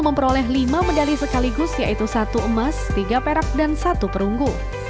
memperoleh lima medali sekaligus yaitu satu emas tiga perak dan satu perunggu